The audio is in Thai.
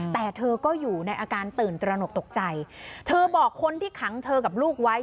แต่เธอก็อยู่ในอาการตื่นตระหนกตกใจเธอบอกคนที่ขังเธอกับลูกไว้